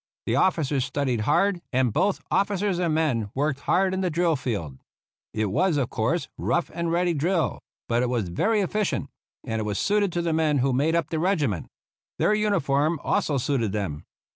The officers studied hard, and both officers and men worked hard in the drill field. It was, of course, rough and ready drill; but it was very efficient, and it was suited to the men who made up the regiment. Their uniform also suited them.